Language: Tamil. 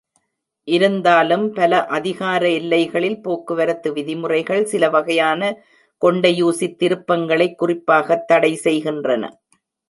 இருந்தாலும் பல அதிகார எல்லைகளில் போக்குவரத்து விதிமுறைகள், சில வகையான கொண்டையூசித்-திருப்பங்களை குறிப்பாகத் தடைசெய்கின்றன.